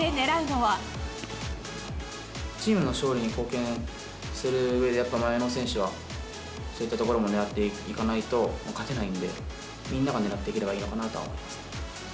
チームの勝利に貢献するうえで、やっぱ前の選手は、そういったところもねらっていかないと、勝てないんで、みんなが狙っていければいいのかなと思います。